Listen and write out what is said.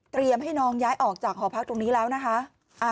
ให้น้องย้ายออกจากหอพักตรงนี้แล้วนะคะ